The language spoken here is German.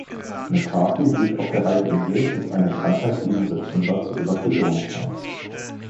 McCarthy blieb auf der Halbinsel, bis eine Krankheit ihn im September zur Evakuierung zwang.